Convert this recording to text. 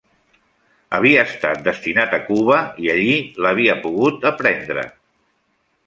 Havia estat destinat a Cuba i allí l’havia pogut aprendre.